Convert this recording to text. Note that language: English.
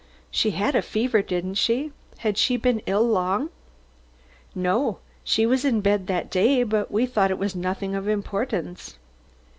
"She had a fever, didn't she? Had she been ill long?" "No. She was in bed that day, but we thought it was nothing of importance."